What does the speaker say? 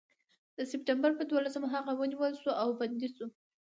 د سپټمبر پر دولسمه هغه ونیول شو او بندي شو.